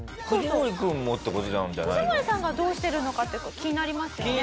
藤森さんがどうしてるのかって気になりますよね。